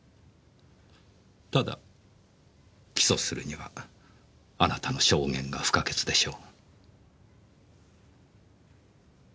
ただ起訴するにはあなたの証言が不可欠でしょう。